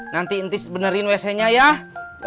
nanti inti benerin wc nya ya